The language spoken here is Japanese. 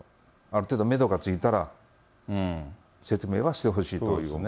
ある程度、メドがついたら説明はしてほしいという思いです。